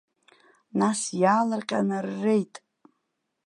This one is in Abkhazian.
Нас иаалырҟьаны р-реит!